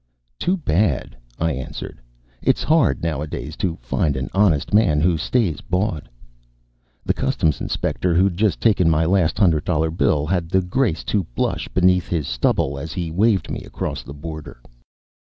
'Too bad," I answered. "If s hard nowadays to find an honest man who stays bought" The customs inspector who'd just taken my last hundred dollar bill had the grace to blush beneath his stubble as he waved me across the border.